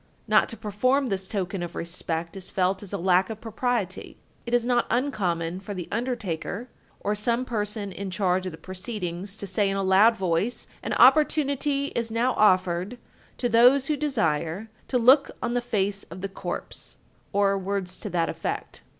Not to perform this token of respect is felt as a lack of propriety. It is not uncommon for the undertaker, or some person in charge of the proceedings, to say in a loud voice: "An opportunity is now offered to those who desire to look on the face of the corpse," or words to that effect.